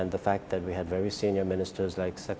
dan fakta bahwa kami memiliki para pemimpin yang sangat senior